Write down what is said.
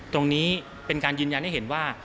ตรงนี้เป็นการยืนยันให้เห็นว่า